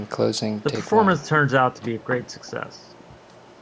The performance turns out to be a great success.